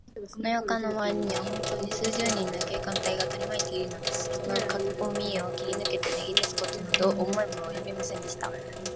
この洋館のまわりは、ほんとうに数十人の警官隊がとりまいているのです。そのかこみを切りぬけて、逃げだすことなど思いもおよびません。